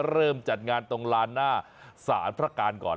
เริ่มจัดงานตรงลานหน้าศาลพระการก่อน